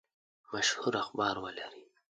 مشهور اخبار ولري.